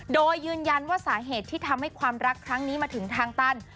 โดยยืนยันว่าสาเหตุที่ทำให้ความรักครั้งนี้มาถึงทางตัน